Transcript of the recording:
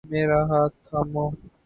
میرا ہاتھ تھامو۔